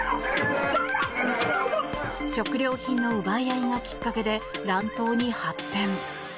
食料品の奪い合いがきっかけで乱闘に発展。